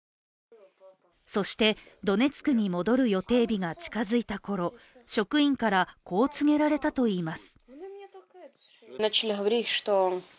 そして、ドネツクに戻る予定日が近付いたころ職員から、こう告げられたといいます。